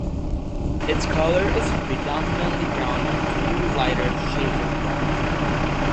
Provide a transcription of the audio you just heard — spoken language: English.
Its color is predominantly brown with a few lighter shades of brown.